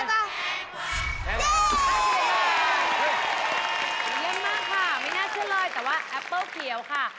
เล่นมากค่ะไม่น่าเชื่อเลยแต่ว่าแอปเปิ้ลเขียวค่ะ